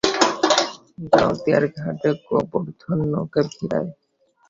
গাওদিয়ার ঘাটে গোবর্ধন নৌকা ভিড়ায়।